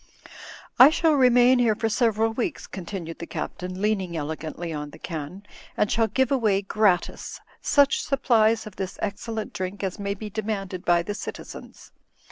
"X shall remain here for several weeks," continued the Captain, leaning elegantly on the can, '"and shall give away, gratis, such supplies of this excellent drink as may be demanded by the citizens.